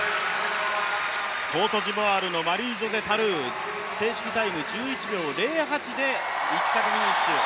コートジボワールのマリージョセ・タルー正式タイム１１秒０８で１着フィニッシュ。